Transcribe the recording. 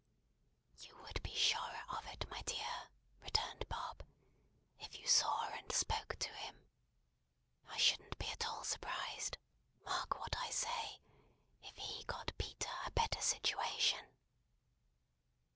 "You would be surer of it, my dear," returned Bob, "if you saw and spoke to him. I shouldn't be at all surprised mark what I say! if he got Peter a better situation."